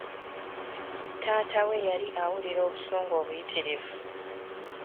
Taata we yali awulira obusungu obuyitirivu.